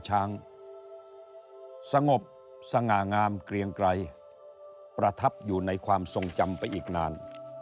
สงบสง่างามเกลียงไกรประทับอยู่ในความทรงจำไปอีกนาน